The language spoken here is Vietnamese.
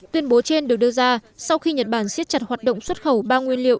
tuyên bố trên được đưa ra sau khi nhật bản siết chặt hoạt động xuất khẩu ba nguyên liệu